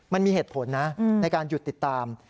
มันมีเหตุผลนะในการหยุดติดตาม